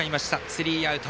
スリーアウト。